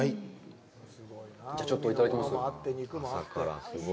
じゃあ、ちょっといただきます。